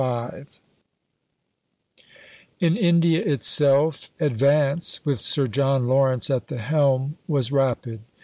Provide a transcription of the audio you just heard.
IV In India itself, advance, with Sir John Lawrence at the helm, was rapid.